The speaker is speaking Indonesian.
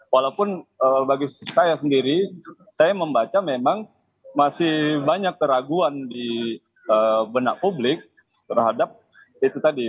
walaupun bagi saya sendiri saya membaca memang masih banyak keraguan di benak publik terhadap itu tadi